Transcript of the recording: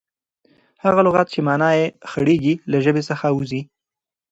هغه لغت، چي مانا ئې خړېږي، له ژبي څخه وځي.